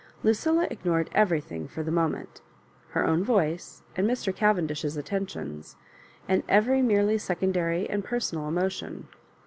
Lucilla ignored everything for the moment — her own voice, and Mr. Cavendish's attentions, and every merely secondary and per sonal emotion.